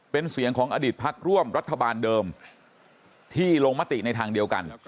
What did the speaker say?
เป็นเสียงของอดีตพักร่วมรัฐบาลเดิมที่ลงมติในทางเดียวกัน